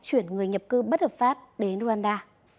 chuyển người nhập cư bất hợp pháp đến rwanda